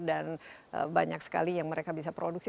dan banyak sekali yang mereka bisa produksi